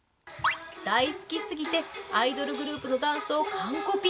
大好きすぎて、アイドルグループのダンスを完コピ。